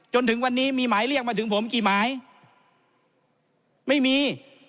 จนถึงวันนี้มีหมายเรียกมาถึงผมกี่หมายไม่มี